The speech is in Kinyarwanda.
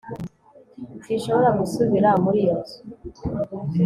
sinshobora gusubira muri iyo nzu